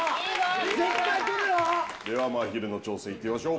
では、まひるの挑戦、いってみましょう。